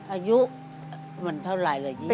อายุมันเท่าไหร่ละ๒๐